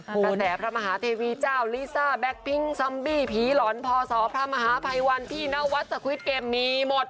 กระแสพระมหาเทวีเจ้าลิซ่าแก๊กพิ้งซัมบี้ผีหลอนพศพระมหาภัยวันที่นวัดสควิตเกมมีหมด